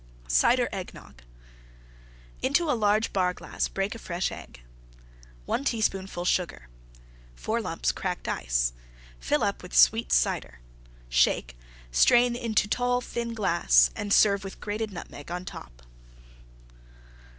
CIDER EGGNOG Into a large Bar glass break a fresh Egg. 1 teaspoonful Sugar. 4 lumps Cracked Ice. Fill up with Sweet Cider. Shake; strain into tall, thin glass and serve with grated Nutmeg on top.